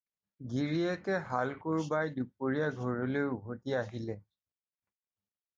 গিৰীয়েকে হাল-কোৰ বাই দুপৰীয়া ঘৰলৈ উভতি আহিলে।